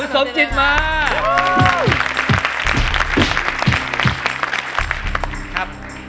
พี่สมจิตมา